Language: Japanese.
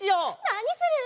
なにする？